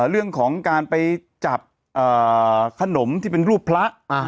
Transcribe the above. เรื่องของการไปจับขนมที่เป็นรูปพระ